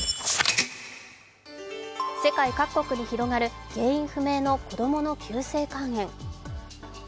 世界各国に広がる原因不明の子供の急性肝炎。